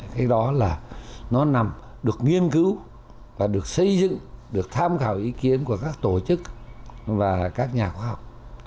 cái đó là nó nằm được nghiên cứu và được xây dựng được tham khảo ý kiến của các tổ chức và các nhà khoa học